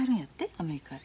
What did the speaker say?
アメリカへ。